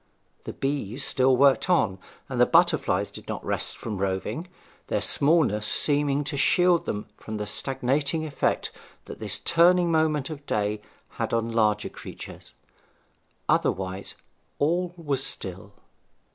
The bees still worked on, and the butterflies did not rest from roving, their smallness seeming to shield them from the stagnating effect that this turning moment of day had on larger creatures. Otherwise all was still.